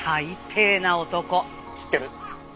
知ってる。